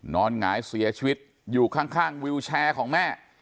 หงายเสียชีวิตอยู่ข้างวิวแชร์ของแม่